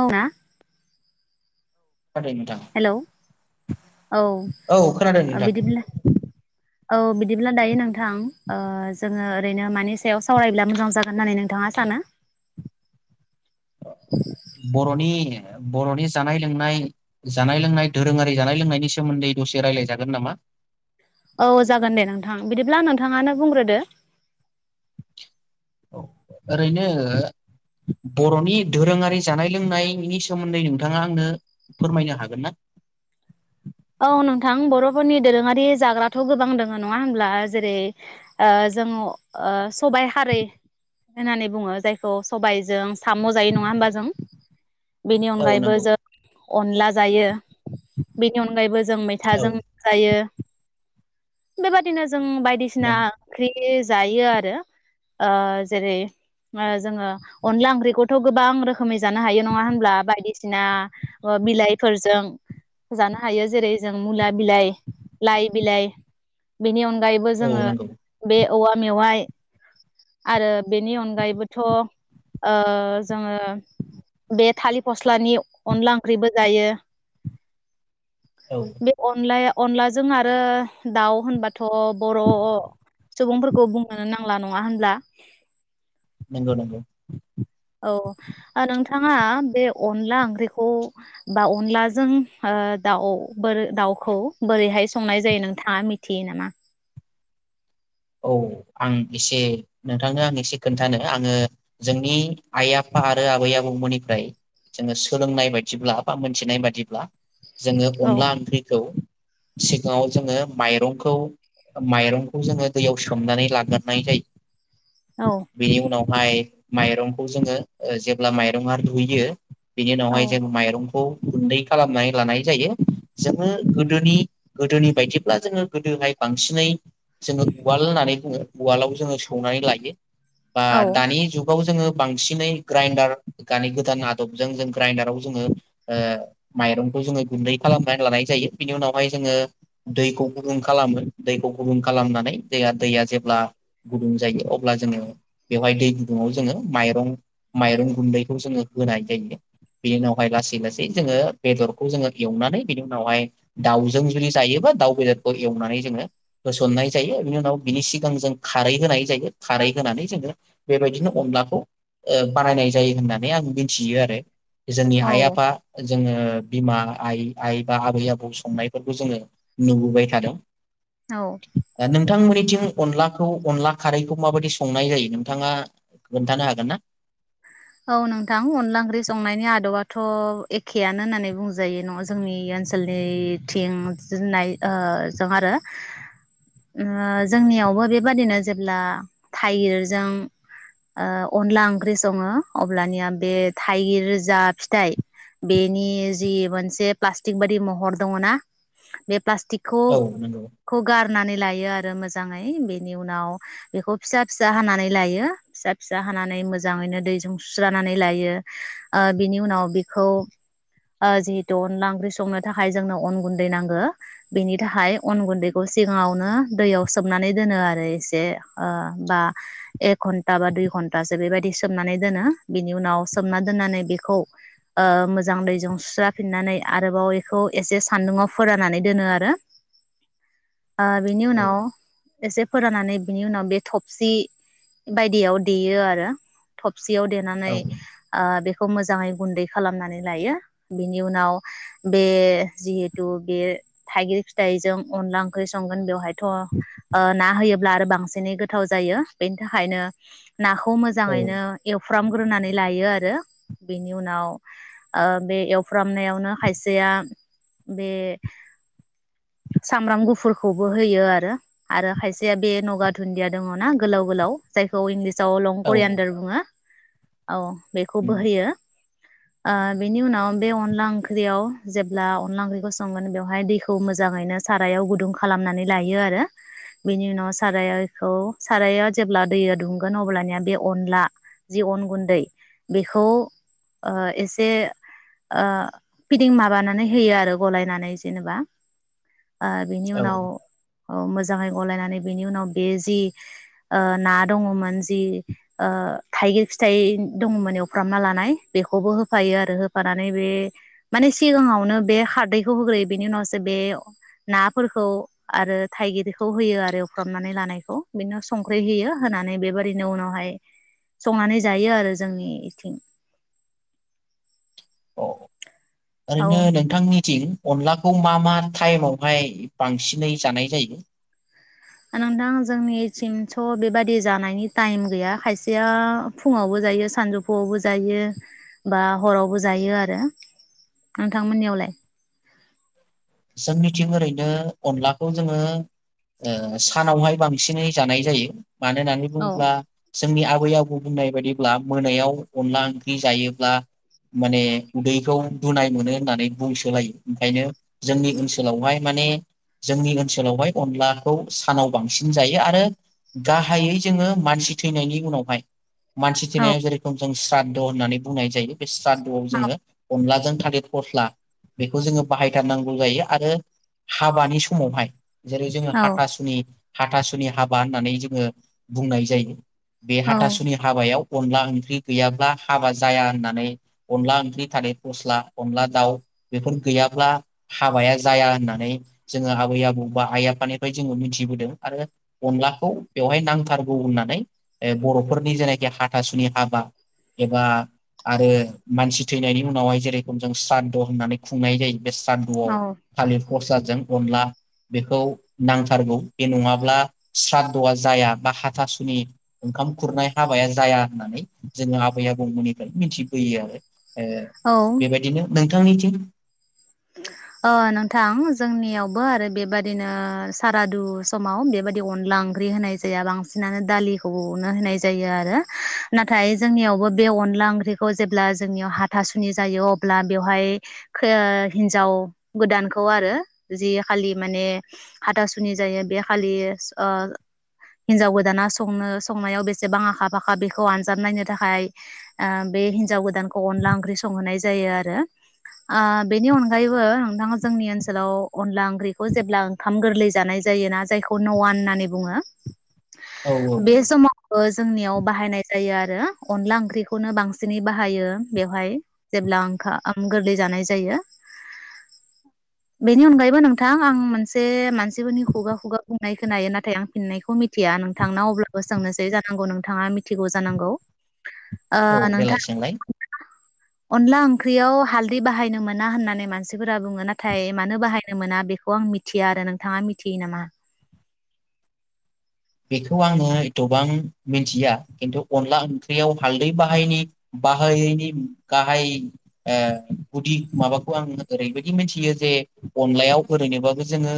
औ ना खोनादों हेलौ नोंथां औ औ खोनादों नोंथां बिदिब्ला औ बिदिब्ला दायो नोंथां ओ जोङो ओरैनो मानि सायाव सावरायब्ला मोजां जागोन होननानै नोंथाङा सानो बर'नि बर'नि जानाय लोंनाय जानाय लोंनाय दोरोङारि जानाय लोंनायनि सोमोन्दै दसे राय्लायजागोन नामा औ जागोन दे नोंथां बिदिब्ला नोंथाङानो बुंग्रोदो औ ओरैनो बर'नि दोरोङारि जानाय लोंनायनि सोमोन्दै नोंथाङा आंनो फोरमायनो हागोन ना औ नोंथां बर'फोरनि दोरोङारि जाग्राथ' गोबां दोङो नङा हब्ला जेरै ओ जोङो ओ सबाय हारै होननानै बुङो जायखौ सबायजों साम' जायो नङा होमबा जों बेनि औ अनगायैबो नंगौ जों अनला जायो नि अनगायैबो जों औ मैथाजों जायो बेबादिनो जों जों बायदिसिना नों ओंख्रि जायो आरो ओ जेरै ओ जोङो अनला ओंख्रिखौथ' गोबां रोखोमै जानो हायो नङा होनब्ला बायदिसिना बिलाइफोरजों जानो हायो जेरै जों मुला बिलाइ लाइ बिलाइ बेनि अनगा गायैबो औ जोङो नंगौ बे औवा मेवाय आरो बेनि अनगायैबोथ' ओ जोङो बे थालिर फस्लानि अनला ओंख्रिबो जायो औ बे अनलाया अनलाजों आरो दाउ होनबा थ' बर' सुबुंफोरखौ बुंनोनो नांला नङा होनब्ला नंगौ नंगौ औ ओ नोंथाङा बे अनला ओंख्रिखौ बा अनलाजों ओ दाउ बोर दाउखौ बोरैहाय संनाय जायो नोंथाङा मिथियो नामा औ आं एसे नोंथांनो आं एसे खोन्थानो आङो जोंनि आइ आफा आरो आबै आबौमोननिफ्राय जोङो सोलोंनाय बायदिब्ला बा मोनथिनाय बायदिब्ला जोङो औ अनला ओंख्रिखौ सिगाङाव जोङो माइरंखौ माइरंखौ जोङो दैयाव सोमनानै लाग्रोननाय औ जायो बेनि उनाव माय माइरंखौ जोङो जेब्ला माइरंआ रुयो बिनि उनावहाय जों माइरंखौ गुन्दै खालामनानै लानाय जायो जोङो गोदोनि गोदोनि बायदिब्ला जोङो गोदोहाय बांसिनै जोङो उवाल होननानै बुङो उवालाव जोङो सौनानै लायो बा औ दानि जुगाव जोङो बांसिनै ग्राइडार दानि गोदान आदबजों जों ग्राइडाराव जोङो ओ माइरंखौ जोङो गुन्दै खालामनानै लानाय जायो बिनि उनावहाय जोङो दैखौ गुदुं खालामो दैखौ गुदुं खालामनानै दैया दैया जेब्ला गुदुं जायो अब्ला जोङो बेवहाय दै गुदुङाव जोङो माइरं माइरं गुन्दैखौ जोङो होनाय जायो बेनि उनावहाय लासै लासै जोङो बेदरखौ जोङो एवनानै बेनि उनावहाय दाउजों जुदि जायोबा दाउ बेदरखौ एवनानै जोङो होसननाय जायो बिनि उनाव बिनि सिगां जों खारै होनाय जायो खारै होनानै जोङो बेबायदिनो अनलाखौ ओ बानायनाय जायो होननानै आं मिथियो आरो जोंनि आइ औ आफा जोङो बिमा आइ आइ बा आबै आबौ संनायफोरखौ जोङो नुबोबाय थादों औ दा नोंथांमोननिथिं अनलाखौ अनला खारैखौ माबायदि संनाय जायो नोंथाङा खोन्थानो हागोन ना औ नोंथां अनला ओंख्रि संनायनि आदबथ एखेयानो होननानै बुंजायो न जोंनि ओनसोलनि थिं जोनाय जों आरो जोंनियावबो बेबादिनो जेब्ला थाइगिरजों अनला ओंख्रि दङ अब्लानिया बे थाइगिर जा फिथाइ बेनि जि मोनसे प्लास्टिक बादि महर दङ ना बे प्लास्टिक औ सिख' नंगौ ख गार [unintelligible] नानै लायो आरो मोजाङै बेनि उनाव बेखौ फिसा फिसा हानानै लायो फिसा फिसा हानानै मोज जाङैनो दैजों सुस्रानानै लायो बिनि उनाव बिखौ जिहेतु अनला ओंख्रि संनो थाखाय जोंनो अन गुन्दै नांगो बेनि थाखाय अन गुन्दैखौ सिगाङावनो दैयाव सोमनानै दोनो आरो एसे बा एक घन्टा बा दुइ घन्टासो बेबायदि सोमनानै दोनो बे बिनि उनाव सोमना दोननानै बेखौ ओ मोजां दैजों सुस्राफिननानै आरोबाव बेखौ एसे सान्दुङाव फोराननानै दोनो आरो बिनि औ उनाव एसे फोराननानै बिनि उनाव बे थबसि बायदियाव देयो आरो थबसियाव औ देनानै ओ बे खौ मोजाङै गुन्दै खालामनानै लायो बिनि उनाव बे जिहेथु बे थाइगिर फिथाइजों अनला ओंख्रि संगोन बेवहाय थ ना होयो होब्ला आरो बांसिनै गोथाव जायो बेनि थाखायनो नाखौ मोजाङैनो एवफ्रामग्रोनानै लायो आरो बेनि उनाव बे एवफ्रामनायावनो खायसेया बे सामब्राम गुफुरखौबो होयो आरो आरो खायसेया बे नगा दुन्दिया दङ ना गोलाव गोलाव जायखौ इंलिस जाव लं औ करियानदार बुङो औ बेखौबो होयो बेनि उनाव बे अनला ओंख्रियाव जेब्ला अनला ओंख्रिखौ संगोन बेवहाय दैखौ मोजाङैनो सारायाव गुदुं खालामनानै लायो आरो बेनि उनाव साराइखौ साराया जेब्ला दैया दुंगोन अब्लानिया बे अनला जि अन गुन्दै बेखौ एसे ओ फिदिं माबानानै होयो आरो गलायनानै जेनेबा बेनि औ उनाव औ मोजाङै गलायनानै बिनि उनाव बे जि ना दङमोन जि ओ थाइगिर फिथाइ दङमोन एवफ्रामना लानाय बेखौबो होफायो आरो होफानानै बे माने सिगाङावनो बे खारदैखौ होग्रोयो बेनि उनावसो बे नाफोरखौ आरो थाइगिरखौ होयो आरो एवफ्रामनानै लानायखौ बेनि उनाव संख्रि होयो होनानै बेबादिनो उनावहाय संनानै जायो आरो जोंनिथिं अ ओरैनो नोंथांनिथिं अनलाखौ मा मा टाइमावहाय बांसिनै जानाय जायो नोंथां जोंनिथिथ बेबादि जानायनि टाइम गैया खायसेया फुङावबो जायो सानजौफुआवबो जायो बा हरावबो जायो आरो नोंथांमोननियावलाय जों मिथिं ओरैनो अनलाखौ जोङो सानावहाय बांसिनै जानाय जायो मानो होननानै औ बुङोब्ला जोंनि आबै आबौ बुंनाय बायदिब्ला मोनायाव अनला ओंख्रि जायोब्ला माने उदैखौ बुनाय मोनो होननानै बुंसोलायो ओंखायनो जोंनि ओनसोलावहाय माने जोंनि ओनसोलावहाय अनलाखौ सानाव बांसिन जायो आरो गाहायै जोङो मानसि थैनायनि उनावहाय मानसि औ थिनायाव जेरेखम जों स्राद्ध होननानै बुंनाय जायो। बे सादु औ जोङो अनलाजों था फस्ला बेखौ जोङो बाहाय फैथारनांगौ जायो आरो हाबानि समावहाय जेरै जोङो हाथासुनि हाथासुनि हाबा होननानै जोङो बुंनाय जायो। बे औ हाथासुनि हाबायाव अनला ओंख्रि गैयाब्ला हाबा जाया होननानै अनला ओंख्रि थानाय फस्ला अनला दाउ बेफोर गैयाब्ला हाबाया जाया होननानै जोङो आबै आबौ बा आइ आफानिफ्राय जोङो मिथिबोदों आरो अनलाखौ बेवहाय नांथारगौ होननानै ओ बर'फोरनि जेनाखि हाथासुनि हाबा एबा आरो मानसि थैनायनि उनावहाय जेरेखम जों स्रादद होननानै खुंनाय जायो बे सानदुआव थालिर खरसाजों अनला बेखौ नांथारगौ बे नङाब्ला स्रादद'आ जाया बा हाथासुनि ओंखाम खुरनाय हाबाया जाया होननानै जोङो आबै आबौमोननिफ्राय मिथिबोयो आरो ओ औ बेबायदिनो नोंथां जोंनिथिं ओ नोंथां जोंनियावबो आरो बेबादिनो सारादु समाव बेबादि अनला ओंख्रि होनाय जाया बांसिनानो दालिखौनो होनाय जायो आरो नाथाय जोंनियावबो बे अनला ओंख्रिखौ जेब्ला जोंनियाव हाथासुनि जायो अब्ला बेवहाय हिनजाव गोदानखौ आरो जि खालि माने हाथासुनि जायो बे खालि ओ हिनजाव गोदाना संनो संनायाव बेसेबां आखा फाखा बेखौ आनजाब नायनो थाखाय ओ बे हिन्जाव गोदानखौ अनला ओंख्रि संहोनाय जायो आरो ओ बेनि अनगायैबो नोंथाङा जोंनि ओनसोलाव अनला ओंख्रिखौ जेब्ला ओंखाम गोरलै जानाय जायोना जायखौ नवान होननानै बुङो। औ औ बे समावबो जोंनियाव बाहायनाय जायो आरो अनला ओंख्रिखौनो बांसिनै बाहायो बेवहाय जेब्ला ओंखाम गोरलै जानाय जायो। बेनि अनगायैबो नोंथां आं मोनसे मानसिफोरनि खुगा खुगा बुंनाय खोनायो नाथाय आं फिननायखौ मिथिया नोंथांनाव अब्लाबो सोंनोसै जानांगौ नोंथाङा मिथिगौ जानांगौ ओ औ नोंथां देलाय सोंलाय अनला ओंख्रियाव हालदै बाहायनो मोन मोना होननानै मानसिफोरा बुङो नाथाय मानो बाहायनो मोना बेखौ आं मिथिया आरो नोंथाङा मिथियो नामा? बेखौ आङो एथ'बां मिथिया खिन्थु अनला ओंख्रियाव हालदै बाहायनि बाहायैनि गाहाय ओ गुदि माबाखौ आङो ओरैबायदि मिनथियो जे अनलायाव ओरैनोबाबो जोङो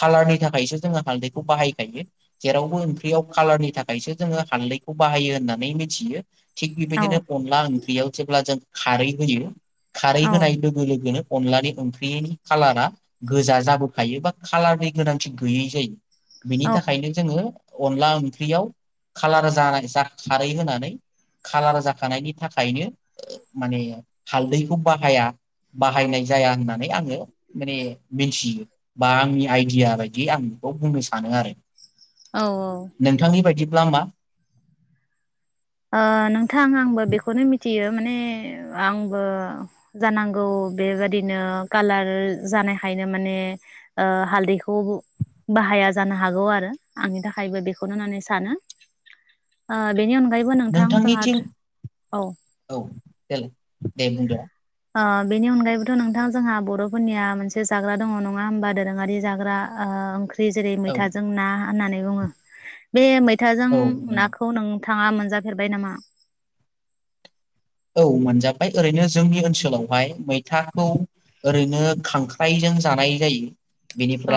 खाालारनि थाखायसो जोङो हालदैखौ बाहायखायो। जेरावबो ओंख्रियाव कालारनि थाखायसो जोङो हानदैखौ बाहायो होननानै मिथियो। थिग औ बेबायदिनो अनला ओंख्रियाव जेब्ला जों खारै होयो खारै औ होनाय लोगो लोगोनो अनलानि ओंख्रिनि खाालारा गोजा जाबोखायो बा कालारनि गोनांथि गैयै जायो। बिनि औ थाखायनो आङो अनला ओंख्रियाव खाालार जानाय खारै होनानै खाालार जाखानायनि थाखायनो माने हालदैखौ बाहाया बाहायनाय जाया होननानै आङो माने मिथियो बा आंनि आइडिया बायदि आं बेखौ बुंनो सानो आरो औ नोंथांनि बायदिब्ला मा ओ नोंथां आंबो बेखौनो मिथियो माने आंबो जानांगौ बेबादिनो कालार जानायखायनो माने हालदैखौ बाहाया जानो हागौ आरो आंनि थाखायबो बेखौनो होननानै सानो ओ बेनि अन नोंथांनिथिं औ देलाय दे बुंदो ओ बेनि अनगायैबोथ' नोंथां जोंहा बर'फोरनिया मोनसे जाग्रा दङ नङा होमबा दोरोङारि जाग्रा ओ ओंख्रि ओंख्रि जेरै औ मैथाजों ना होननानै बुङो बे मै थाजों नाखौ नों थाङा मोनजाफेरबाय नामा औ मोनजाबाय ओरैनो जोंनि ओनसोलावहाय मैथाखौ ओरैनो खांख्राइजों जानाय जायो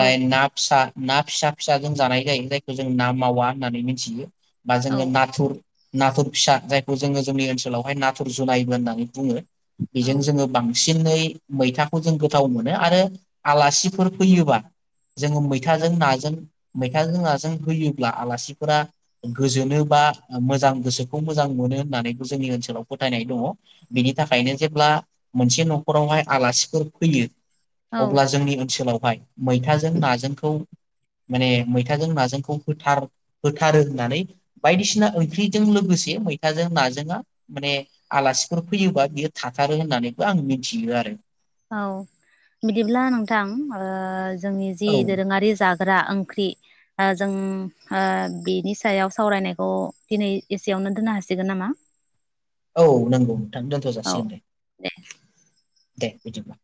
औ ना फिसा ना फिसा फिसा जों जानाय जायो जायखौ जों ना मावा होननानै मिथियो बा औ जोङो नाथुर नाथुर फिसा जायखौ जोङो जोंनि ओनसोलावहाय ना थुर जुनायबो होननानै बुङो बेजों औ जोङो बां सिनै मैथाखौ जों गोथाव मोनो आरो आलासिफोर फैयोबा जोङो मैथाजों नाजों मैथाजों नाजों होयोब्ला आलासिफोरा गोजोनो बा मोजां गोसोखौ मोजां मोनो होननानैबो जोंनि ओनसोलाव फोथायनाय दङ बेनि थाखायनो जेब्ला मोनसे न'खरावहाय आलासिफोर फैयो औ अब्ला जोंनि ओनसोलाव ब [unintelligible] मैथाजों नाजोंखौ माने मैथाजों नाजोंखौ होथार होथारो होननानै बायदिसिना ओंख्रिजों लोगोसे मैथाजों नाजोंआ माने आलासिफोर फैयोबा बियो थाथारो होननानैबो आं मिथियो आरो औ बिदिब्ला नोंथां ओ जोंनि जि औ दोरोङारि जा ग्रा ओंख्रि आं जों आ बेनि सायाव सावरायनायखौ दिनै एसेयावनो दोननो हासिगोन नामा औ नोंगौ नोंथां दोनथ' जासिगोन दे देबिदिबा